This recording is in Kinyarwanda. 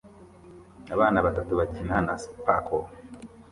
Abana batatu bakina na sparkler